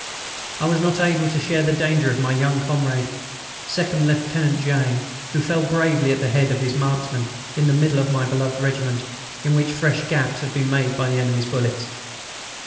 I was not able to share the danger of my young comrade, Second Lieutenant J., who fell bravely at the head of his marksmen, in the middle of my beloved regiment, in which fresh gaps have been made by the enemy's bullets.